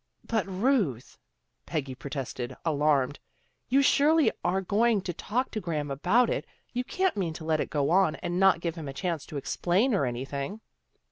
"But, Ruth," Peggy protested, alarmed, " you surely are going to talk to Graham about it. You can't mean to let it go on, and not give him a chance to explain or anything."